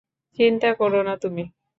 চিন্তা করো না তুমি।